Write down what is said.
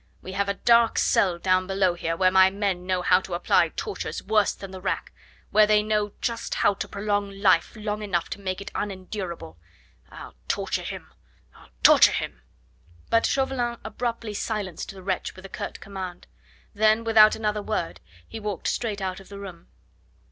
We have a dark cell down below here where my men know how to apply tortures worse than the rack where they know just how to prolong life long enough to make it unendurable. I'll torture him! I'll torture him!" But Chauvelin abruptly silenced the wretch with a curt command; then, without another word, he walked straight out of the room.